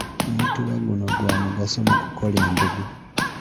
Omutuba guno gwa mugaso mu kukola embugo.